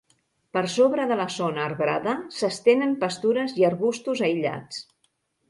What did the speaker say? Per sobre de la zona arbrada s'estenen pastures i arbustos aïllats.